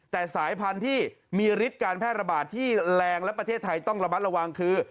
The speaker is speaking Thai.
แต่สายพันธุ์ที่มีฤทธิ์การแพร่ระบาดที่แรงและประเทศไทยต้องระมัดระวังคือ